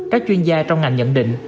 các chuyên gia trong ngành nhận định